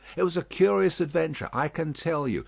It was a curious adventure, I can tell you.